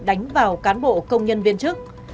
đánh vào cán bộ công nhân viên chức